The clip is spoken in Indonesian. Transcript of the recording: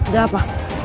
tuh ada apa